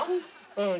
うん。